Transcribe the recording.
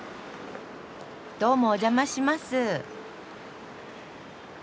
どうもお邪魔します。